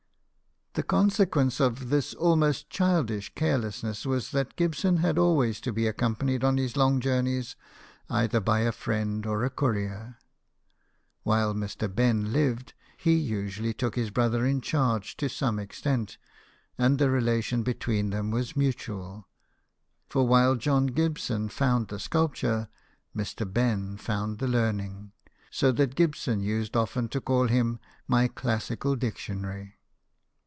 The consequence of this almost childish care lessness was that Gibson had always to be accompanied on his long journeys either by a friend or a courier. While Mr. Ben lived, he usually took his brother in charge to some extent ; and the relation between them was mutual, for while John Gibson found the sculp ture, Mr. Ben found the learning, so that Gibson used often to call him "my classical dictionary."